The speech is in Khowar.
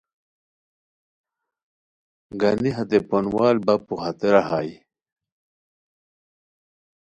گانی ہتے پونوال بپو ہتیرا ہائے